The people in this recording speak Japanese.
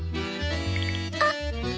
あっ。